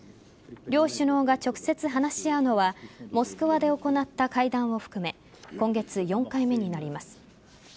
両首脳が直接話し合うのはモスクワで行った会談を含め今月４回目になります。